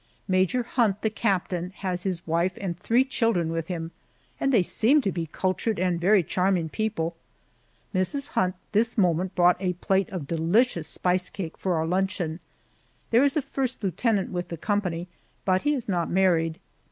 Major Hunt, the captain, has his wife and three children with him, and they seem to be cultured and very charming people. Mrs. Hunt this moment brought a plate of delicious spice cake for our luncheon. There is a first lieutenant with the company, but he is not married.